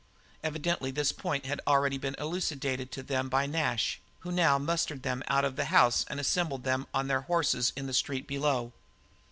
Evidently this point had already been elucidated to them by Nash, who now mustered them out of the house and assembled them on their horses in the street below.